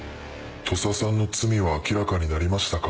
土佐さんの罪は明らかになりましたか？